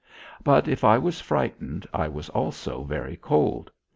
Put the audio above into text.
But if I was frightened I was also very cold.